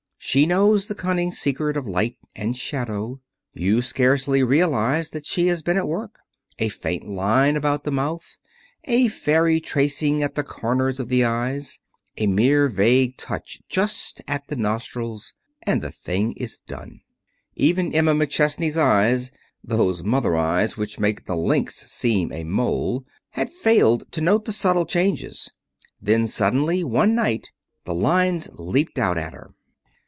She knows the cunning secret of light and shadow. You scarcely realize that she has been at work. A faint line about the mouth, a fairy tracing at the corners of the eyes, a mere vague touch just at the nostrils and the thing is done. Even Emma McChesney's eyes those mother eyes which make the lynx seem a mole had failed to note the subtle change. Then, suddenly, one night, the lines leaped out at her.